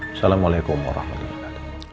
assalamualaikum warahmatullahi wabarakatuh